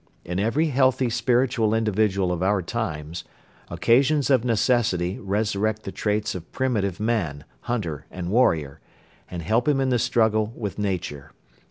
In every healthy spiritual individual of our times, occasions of necessity resurrect the traits of primitive man, hunter and warrior, and help him in the struggle with nature.